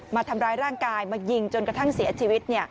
มาทำร้ายร่างกายมายิงจนกระทั่งเสียชีวิต